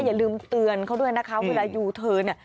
อย่าลืมเตือนเขาด้วยนะคะเวลายูเทิร์นเนี่ย